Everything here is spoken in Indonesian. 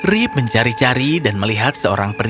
rip mencari cari dan melihat seorang pria yang cukup keras